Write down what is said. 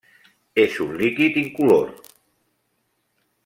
És un líquid incolor.